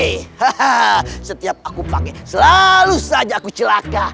hahaha setiap aku pakai selalu saja aku celaka